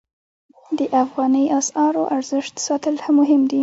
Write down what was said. د افغانۍ اسعارو ارزښت ساتل مهم دي